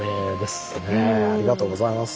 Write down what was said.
ありがとうございます。